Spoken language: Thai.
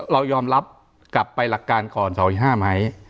เรายอมรับกลับไปหลักการก่อน๒๕ไหม